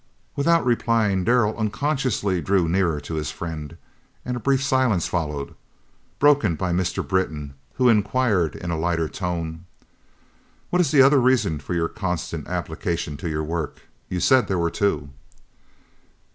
Without replying Darrell unconsciously drew nearer to his friend, and a brief silence followed, broken by Mr. Britton, who inquired, in a lighter tone, "What is the other reason for your constant application to your work? You said there were two."